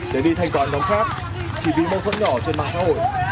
để đi thành toàn nhóm khác chỉ bị mâu thuẫn nhỏ trên mạng xã hội